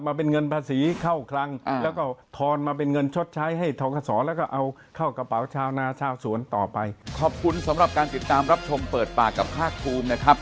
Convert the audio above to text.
อย่าไปคิดว่ามันจะหายไปแสนล้าน